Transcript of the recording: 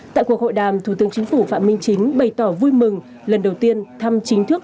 tại cuộc hội đàm thủ tướng chính phủ phạm minh chính bày tỏ vui mừng lần đầu tiên thăm chính thức